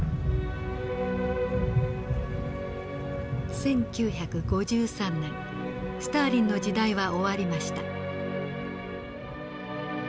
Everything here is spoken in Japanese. １９５３年スターリンの時代は終わりました。